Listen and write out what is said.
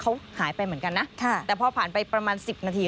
เขาหายไปเหมือนกันนะแต่พอผ่านไปประมาณ๑๐นาที